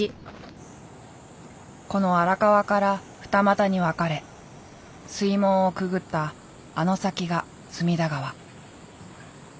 この荒川から二股に分かれ水門をくぐったあの先が隅田川。